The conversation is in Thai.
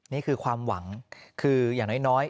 นี่คือความหวังคืออย่างน้อย